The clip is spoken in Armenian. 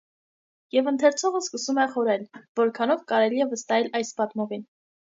Եվ ընթերցողը սկսում է խորհել՝ որքանով կարելի է վստահել այս պատմողին։